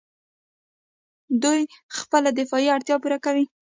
دوی خپله دفاعي اړتیا پوره کوي.